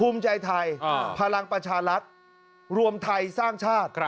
ภูมิใจไทยพลังประชารัฐรวมไทยสร้างชาติ